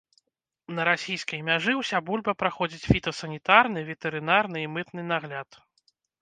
На расійскай мяжы ўся бульба праходзіць фітасанітарны, ветэрынарны і мытны нагляд.